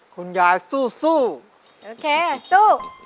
คุณยายสู้โอเคสู้